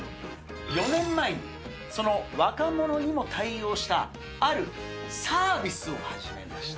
４年前に、その若者にも対応したあるサービスを始めました。